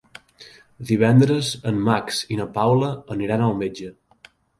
Divendres en Max i na Paula aniran al metge.